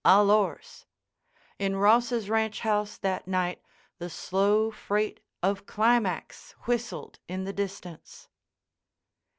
Alors. In Ross's ranch house that night the slow freight of Climax whistled in the distance.